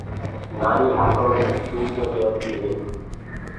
نآريٚ هآتو مي چوڙِيونٚ پيرديٚ هي